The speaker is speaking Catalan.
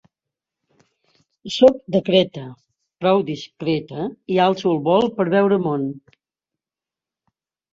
Sóc de Creta, prou discreta i alço el vol per veure món.